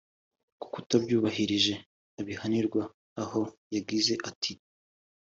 kuko utabyubahirije abihanirwa aho yagize ati